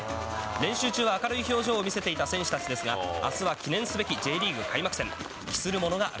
練習中は明るい表情を見せていた選手たちですが、あすは記念すべきＪリーグ開幕戦。